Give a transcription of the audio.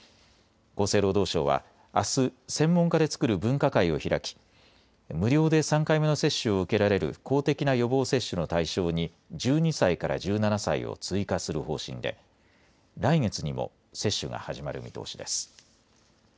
厚生労働省はあす専門家でつくる分科会を開き無料で３回目の接種を受けられる公的な予防接種の対象に１２歳から１７歳を追加する方針で来月にも接種が始まる見通しです。